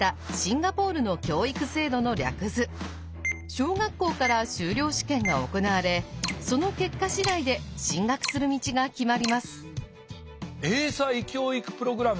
小学校から修了試験が行われその結果次第で進学する道が決まります。